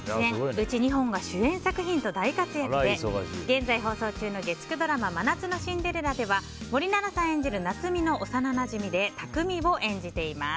うち２本が主演作品と大活躍で現在放送中の月９ドラマ「真夏のシンデレラ」では森七菜さん演じる夏海の幼なじみで匠を演じています。